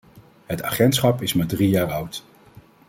Het agentschap is maar drie jaar oud.